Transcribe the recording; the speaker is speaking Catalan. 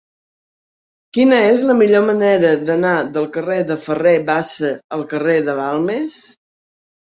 Quina és la millor manera d'anar del carrer de Ferrer Bassa al carrer de Balmes?